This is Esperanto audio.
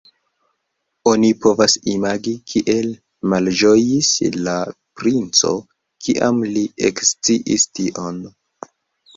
Oni povas imagi, kiel malĝojis la princo, kiam li eksciis tion.